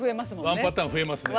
ワンパターン増えますね。